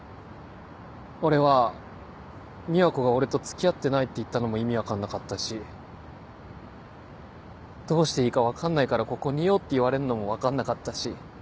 俺は美和子が俺と「付き合ってない」って言ったのも意味分かんなかったし「どうしていいか分かんないからここにいよう」って言われるのも分かんなかったし。